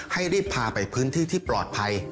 ให้รีบพาไปพื้นที่ที่ปลอดภัย